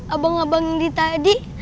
abang abang yang ditadi